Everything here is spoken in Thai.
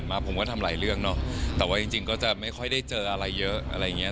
ผมก็ทำหลายเรื่องเนอะแต่ว่าจริงจริงก็จะไม่ค่อยได้เจออะไรเยอะอะไรอย่างเงี้